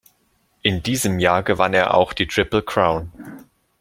In diesem Jahr gewann er auch die Triple Crown.